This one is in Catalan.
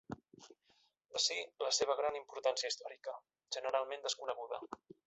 D'ací, la seva gran importància històrica, generalment desconeguda.